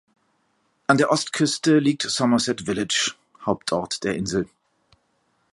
An der Ostküste liegt Somerset Village, Hauptort der Insel.